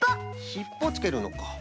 しっぽつけるのか。